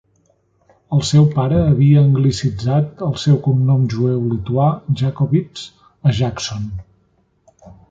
El seu pare havia anglicitzat el seu cognom jueu lituà Jakowitz a Jackson.